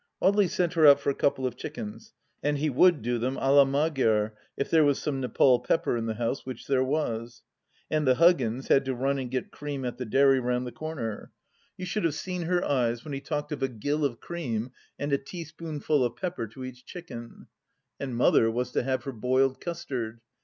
Audely sent her out for a couple of chickens, and he would do them d la Magyar, if there was some Nepaul pepper in the house, which there was. And the Huggins had to run and get cream at the dairy round the comer. You should 124 THE LAST DITCH have seen her eyes when he talked of a gill of cream and a teaspoonf ul of pepper to each chicken 1 And Mother was to have her boiled custard.